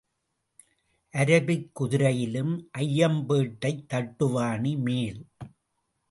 Arabic குதிரையிலும் ஐயம்பேட்டைத் தட்டுவாணி மேல்.